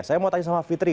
saya mau tanya sama fitri